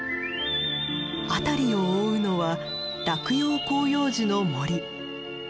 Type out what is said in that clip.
辺りを覆うのは落葉広葉樹の森。